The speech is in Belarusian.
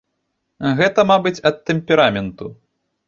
Гэта, мабыць, ад тэмпераменту.